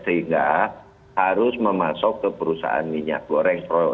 sehingga harus memasuk ke perusahaan minyak goreng